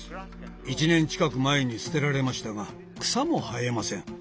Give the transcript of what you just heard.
１年近く前にすてられましたが草も生えません。